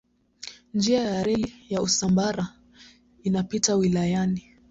Njia ya reli ya Usambara inapita wilayani.